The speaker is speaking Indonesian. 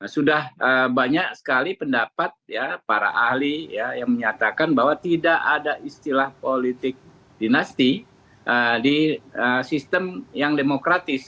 sudah banyak sekali pendapat para ahli yang menyatakan bahwa tidak ada istilah politik dinasti di sistem yang demokratis